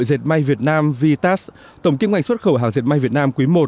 hiệp hội dệt may việt nam vtas tổng kiếm ngành xuất khẩu hàng dệt may việt nam quý một